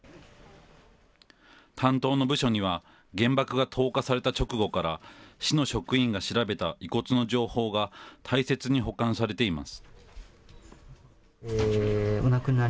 担当の部署には、原爆が投下された直後から、市の職員が調べた遺骨の情報が大切に保管されています。